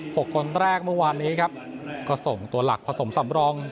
คนแรกเมื่อวานนี้ครับก็ส่งตัวหลักผสมสำรอง